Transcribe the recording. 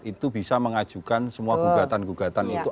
itu bisa mengajukan semua gugatan gugatan itu